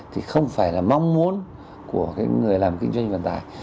thì không phải là mong muốn của người làm kinh doanh vận tải